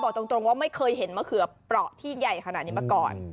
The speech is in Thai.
ตรงว่าไม่เคยเห็นมะเขือเปราะที่ใหญ่ขนาดนี้มาก่อน